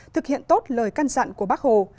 thực hiện tốt lời can dặn của bác hồ